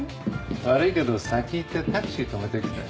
悪いけど先行ってタクシーとめてきて。